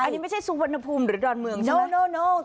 อันนี้ไม่ใช่สูงอุณหภูมิหรือดอนเมืองใช่ไหม